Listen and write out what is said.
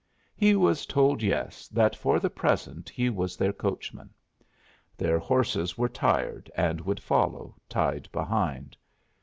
He was told yes, that for the present he was their coachman. Their horses were tired and would follow, tied behind.